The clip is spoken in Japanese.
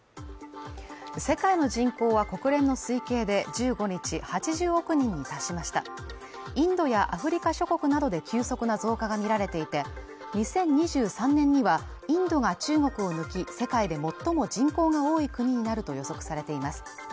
世界の人口は国連の推計で１５日８０億人に達しましたインドやアフリカ諸国などで急速な増加が見られていて２０２３年にはインドが中国を抜き世界で最も人口が多い国になると予測されています